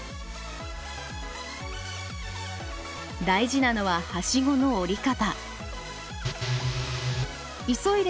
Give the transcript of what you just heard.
大事なのははしごの降り方。